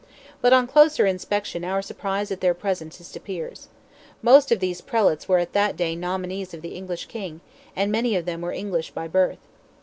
But on closer inspection our surprise at their presence disappears. Most of these prelates were at that day nominees of the English King, and many of them were English by birth.